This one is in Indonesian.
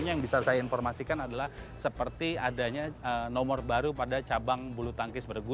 yang bisa saya informasikan adalah seperti adanya nomor baru pada cabang bulu tangkis bergu